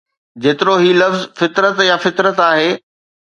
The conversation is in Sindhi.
جيترو هي لفظ فطرت يا فطرت آهي